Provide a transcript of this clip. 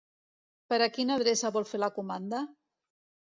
Per a quina adreça vol fer la comanda?